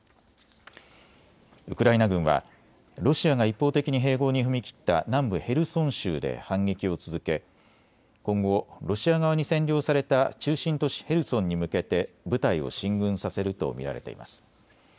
ウクライナ軍はロシアが一方的に併合に踏み切った南部ヘルソン州で反撃を続け今後、ロシア側に占領された中心都市ヘルソンに向けて部隊を進軍させると見られています。